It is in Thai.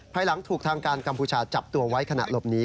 หลังถูกทางการกัมพูชาจับตัวไว้ขณะหลบหนี